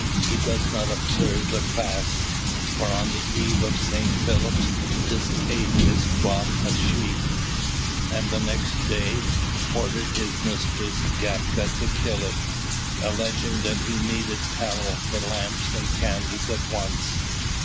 He does not observe the fasts; for on the eve of St. Philip's this atheist bought a sheep, and next day ordered his mistress, Gapka, to kill it, alleging that he needed tallow for lamps and candles at once.